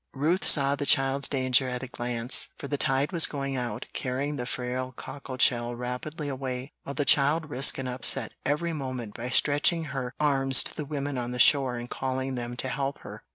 Ruth saw the child's danger at a glance, for the tide was going out, carrying the frail cockleshell rapidly away, while the child risked an upset every moment by stretching her arms to the women on the shore and calling them to help her.